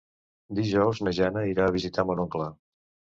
Dijous na Jana irà a visitar mon oncle.